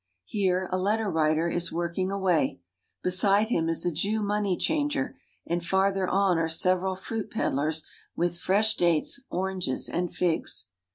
Here a letter writer is working away; beside him is a Jew money changer, and farther on are several fruit peddlers with fresh dates, or anges, and figs.